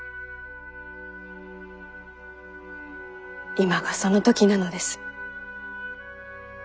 今がその時なのです。